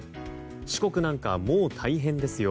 四国なんかもう大変ですよ